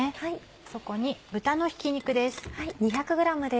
そこに豚のひき肉です。